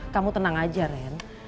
kamu tenang aja ren